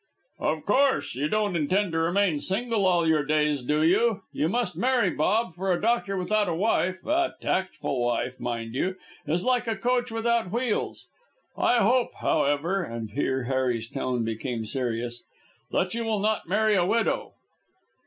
"Of course; you don't intend to remain single all your days, do you? You must marry, Bob, for a doctor without a wife, a tactful wife, mind you, is like a coach without wheels. I hope, however," and here Harry's tone became serious, "that you will not marry a widow."